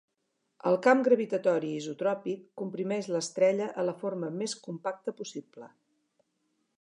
El camp gravitatori isotròpic comprimeix l'estrella a la forma més compacta possible.